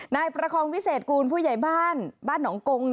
นายประคองวิเศษกูลผู้ใหญ่บ้านบ้านหนองกง